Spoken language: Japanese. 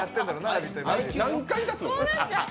あれ何回出すの？